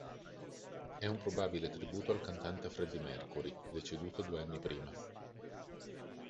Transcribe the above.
È un probabile tributo al cantante Freddie Mercury, deceduto due anni prima.